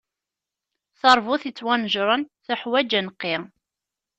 Taṛbut ittwanejṛen teḥwaǧ aneqqi.